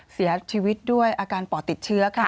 เสียชีวิตด้วยอาการปอดติดเชื้อค่ะ